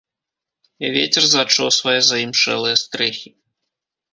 Вецер зачосвае заімшэлыя стрэхі.